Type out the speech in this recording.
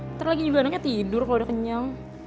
ntar lagi juga anaknya tidur kalau udah kenyang